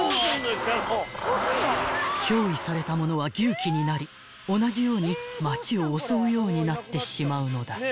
［憑依された者は牛鬼になり同じように町を襲うようになってしまうのだ］